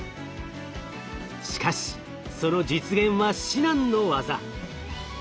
しかしその実現は至難の業。